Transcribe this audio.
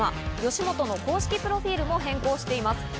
吉本の公式プロフィールも変更しています。